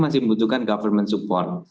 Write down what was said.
masih membutuhkan government support